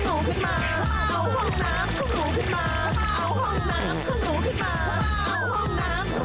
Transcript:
เอาห้องน้ำของหนูใหม่มา